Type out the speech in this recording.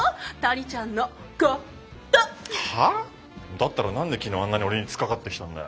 だったら何で昨日あんなに俺につっかかってきたんだよ。